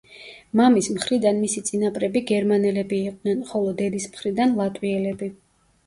მამის მხრიდან მისი წინაპრები გერმანელები იყვნენ, ხოლო დედის მხრიდან ლატვიელები.